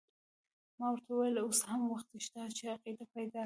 ما ورته وویل اوس هم وخت شته چې عقیده پیدا کړې.